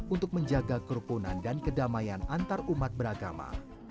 untuk menjaga kerukunan dan kedamaian antarumat beragama